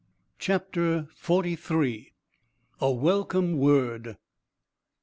CHAPTER FORTY THREE. A WELCOME WORD.